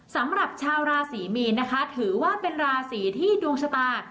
สำหรับชาวราศรีมีนนะคะถือว่าเป็นราศีที่ดวงชะตา